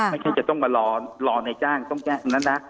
ไม่ใช่จะต้องมารอในจ้างต้องแจ้งตรงนั้นนะ